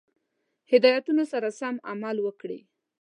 هدایتونو سره سم عمل وکړي.